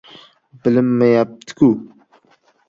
— Bilinmayapti-ku!